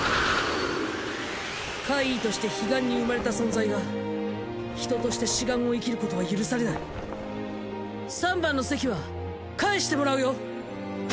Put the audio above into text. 怪異として彼岸に生まれた存在がヒトとして此岸を生きることは許されない三番の席は返してもらうよ